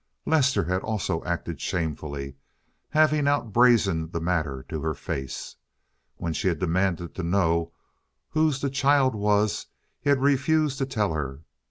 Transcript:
Lester also had acted shamefully, having outbrazened the matter to her face. When she had demanded to know whose the child was he had refused to tell her.